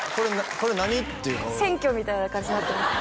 何か選挙みたいな感じになってます